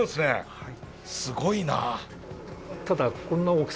はい。